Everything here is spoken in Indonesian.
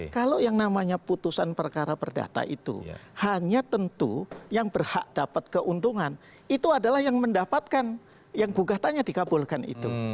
kalau yang namanya putusan perkara perdata itu hanya tentu yang berhak dapat keuntungan itu adalah yang mendapatkan yang gugatannya dikabulkan itu